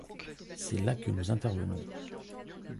C’est là que nous intervenons.